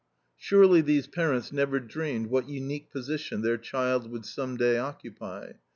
Surely these parents never dreamed what unique position their child would some day occupy.